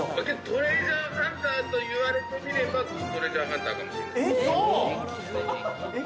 トレジャーハンターと言われてみれば、トレジャーハンターかもしれない。